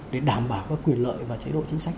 để đảm bảo các quyền lợi và chế độ chính sách